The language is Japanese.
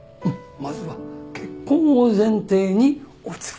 まずは結婚を前提にお付き合いから。